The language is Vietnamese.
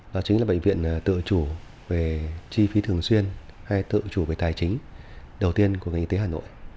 đó chính là bệnh viện tự chủ về chi phí thường xuyên hay tự chủ về tài chính đầu tiên của ngành y tế hà nội